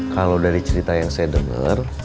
kalo dari cerita yang saya denger